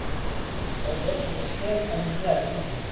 Ad k-weṣṣiɣ, a mmi ɛzizen!